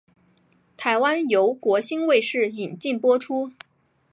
台湾由国兴卫视引进播出。